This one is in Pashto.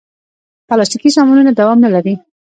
پلاستيکي سامانونه دوام نه لري.